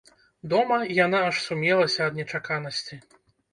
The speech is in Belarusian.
Дома яна аж сумелася ад нечаканасці.